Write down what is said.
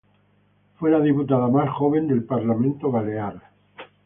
Fue la diputada más joven del Parlamento Balear.